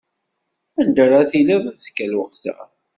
Anda ara tiliḍ azekka lweqt-a?